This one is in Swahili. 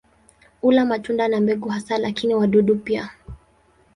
Hula matunda na mbegu hasa lakini wadudu pia.